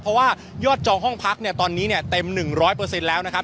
เพราะว่ายอดจองห้องพักเนี่ยตอนนี้เนี่ยเต็ม๑๐๐แล้วนะครับ